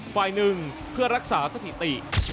ฝ่ายหนึ่งเพื่อรักษาสถิติ